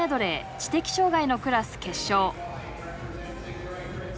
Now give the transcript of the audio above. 知的障害のクラス決勝。